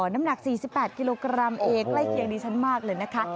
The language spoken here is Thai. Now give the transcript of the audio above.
น้ำหนัก๔๘กิโลกรัมเองใกล้เคียงดิฉันมากเลยนะคะ